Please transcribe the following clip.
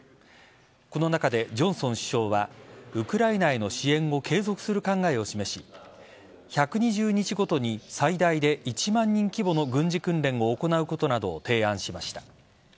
この中でジョンソン首相はウクライナへの支援を継続する考えを示し１２０日ごとに最大で１万人規模の軍事訓練を行うことなどを提案しました。